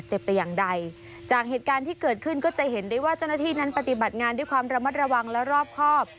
ให้ระวังและรอบครอบ